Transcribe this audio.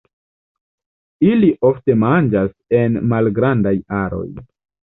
Ili ofte manĝas en malgrandaj aroj.